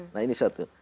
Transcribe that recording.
nah ini satu